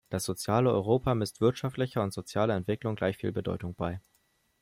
Das soziale Europa misst wirtschaftlicher und sozialer Entwicklung gleichviel Bedeutung bei.